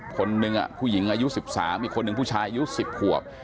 คนหนึ่งผู้หญิงอายุ๑๓อีกคนหนึ่งผู้ชายอายุ๑๐ขวบ